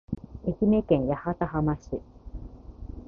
愛媛県八幡浜市